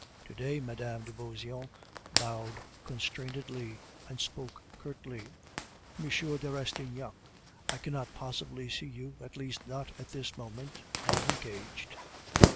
To day Mme. de Beauseant bowed constrainedly, and spoke curtly: "M. de Rastignac, I cannot possibly see you, at least not at this moment. I am engaged..."